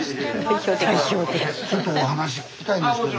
ちょっとお話聞きたいんですけど。